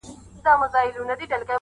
بیا به راسي په سېلونو بلبلکي٫